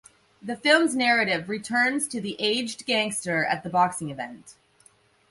The film's narrative returns to the aged Gangster at the boxing event.